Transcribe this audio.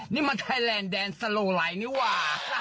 นี่มันไทยแลนด์แดนสโลไลนิวา